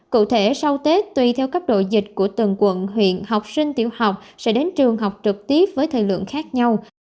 cụ thể sau tết tùy theo cấp độ dịch của từng quận huyện học sinh tiểu học sẽ đến trường học trực tiếp với thời lượng khác nhau